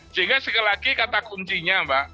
sehingga sekali lagi kata kuncinya mbak